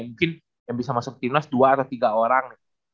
mungkin yang bisa masuk timnas dua ada tiga orang